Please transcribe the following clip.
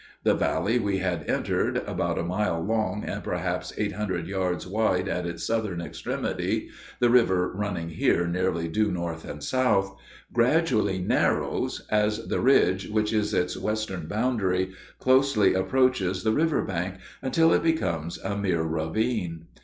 The valley we had entered, about a mile long and perhaps eight hundred yards wide at its southern extremity, the river running here nearly due north and south, gradually narrows, as the ridge which is its western boundary closely approaches the river bank, until it becomes a mere ravine.